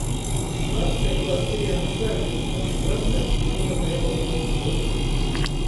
Škārsteiklā ir pīejams vēļ vīns mozs fragments nu muna meiluokuo stuosta.